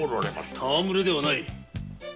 戯れではない。